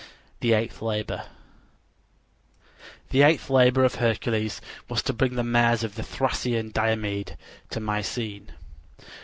THE EIGHTH LABOR The eighth labor of Hercules was to bring the mares of the Thracian Diomede to Mycene.